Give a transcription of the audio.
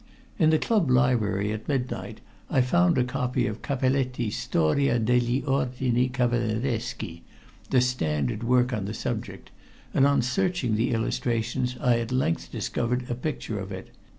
In the club library at midnight I found a copy of Cappelletti's Storia degli Ordini Cavallereschi, the standard work on the subject, and on searching the illustrations I at length discovered a picture of it.